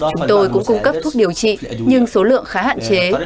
chúng tôi cũng cung cấp thuốc điều trị nhưng số lượng khá hạn chế